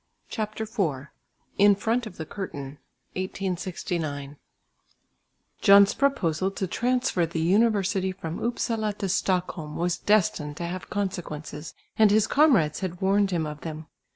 CHAPTER IV IN FRONT OF THE CURTAIN (1869) John's proposal to transfer the university from Upsala to Stockholm was destined to have consequences, and his comrades had warned him of them.